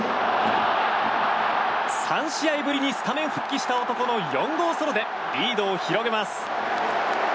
３試合ぶりにスタメン復帰した男の４号ソロでリードを広げます。